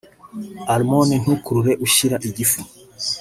(harmones) ntukurure ushyira igifu